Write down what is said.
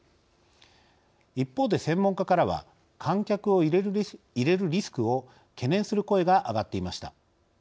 一方で、専門家からは観客を入れるリスクを懸念する声が上がっていました。